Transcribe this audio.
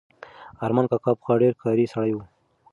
ارمان کاکا پخوا ډېر کاري سړی و.